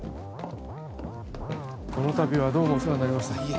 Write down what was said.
このたびはどうもお世話になりました